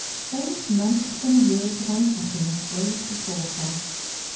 Those months and years of unhappiness rose before her.